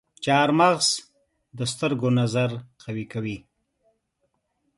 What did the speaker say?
چارمغز د سترګو نظر قوي کوي.